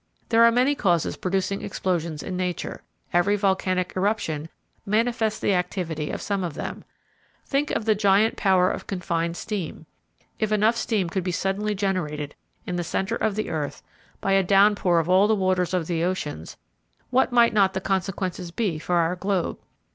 There are many causes producing explosions in nature, every volcanic eruption manifests the activity of some of them. Think of the giant power of confined steam; if enough steam could be suddenly generated in the center of the earth by a downpour of all the waters of the oceans, what might not the consequences be for our globe?